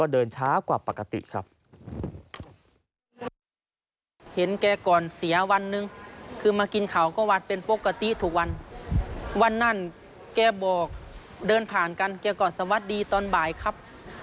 เดินผ่านกันเกลียวก่อนสวัสดีตอนบ่ายครับ